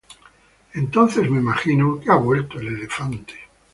Entonces me imagino que ha vuelto el elefante.